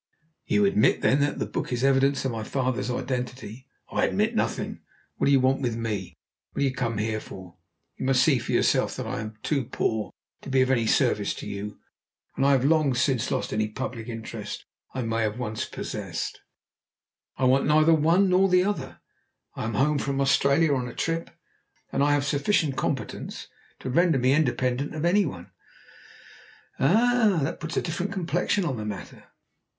"You admit then that the book is evidence of my father's identity?" "I admit nothing. What do you want with me? What do you come here for? You must see for yourself that I am too poor to be of any service to you, and I have long since lost any public interest I may once have possessed." "I want neither one nor the other. I am home from Australia on a trip, and I have a sufficient competence to render me independent of any one." "Ah! That puts a different complexion on the matter.